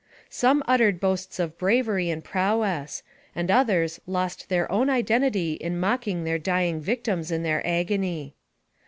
Some uttered boasts of bravery and prowess, and others lost their own identity in mocking their dying victims in their agony.